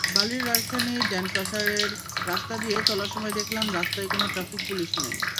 বালির রাজধানী ড্যানপাসারের রাস্তা দিয়ে চলার সময় দেখলাম, রাস্তায় কোনো ট্রাফিক পুলিশ নেই।